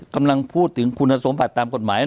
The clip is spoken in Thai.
กำลังพูดถึงคุณสมบัติตามกฎหมาย